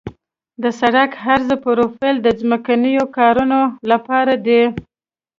د سړک عرضي پروفیل د ځمکنیو کارونو لپاره دی